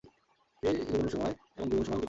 সেই জীবনের সময় এবং এই জীবনের সময়ও কি পাশাপাশি?